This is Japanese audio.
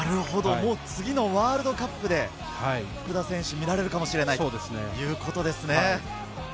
次のワールドカップで福田選手を見られるかもしれないということですね。